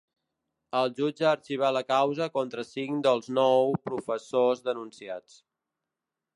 El jutge ha arxivat la causa contra cinc dels nou professors denunciats.